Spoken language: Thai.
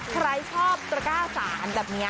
ใครชอบตระก้าสารแบบนี้